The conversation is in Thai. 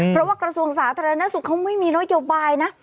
เพราะว่ากระทรวงสาธารณสุขเขาไม่มีนโยบายนะ